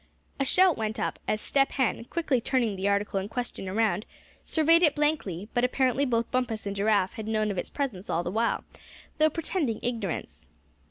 A shout went up as Step Hen, quickly turning the article in question around surveyed it blankly; but apparently both Bumpus and Giraffe had known of its presence all the while, though pretending ignorance.